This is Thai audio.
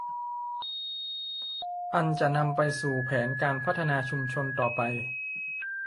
อันจะนำไปสู่แผนการพัฒนาชุมชนต่อไป